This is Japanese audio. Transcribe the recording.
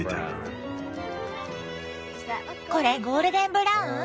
これゴールデンブラウン？